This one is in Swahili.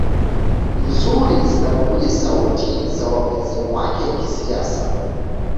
mzuri zinapokuja sauti za wapinzani wake kisiasa